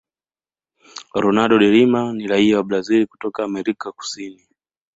ronaldo delima ni rai wa brazil kutoka amerika kusini